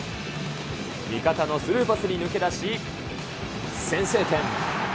味方のスルーパスに抜け出し、先制点。